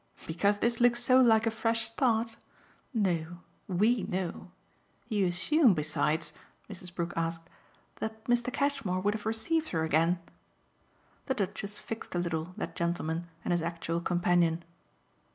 "Because this looks so like a fresh start? No. WE know. You assume besides," Mrs. Brook asked, "that Mr. Cashmore would have received her again?" The Duchess fixed a little that gentleman and his actual companion.